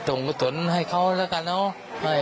เออตรงกันสนให้เขาละกันเนาะ